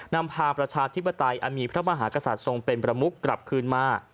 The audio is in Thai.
นำพาประชาธิปไตยอันมีพระมหากษัตริย์ทรงเป็นประมุกกลับคืนมา